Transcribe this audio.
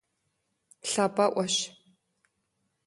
Лъапӏэӏуэщ.